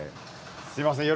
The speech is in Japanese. すいません。